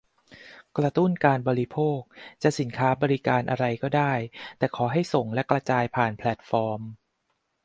กระตุ้นการบริโภค จะสินค้าบริการอะไรก็ได้ แต่ขอให้ส่งและกระจายผ่านแพลตฟอร์ม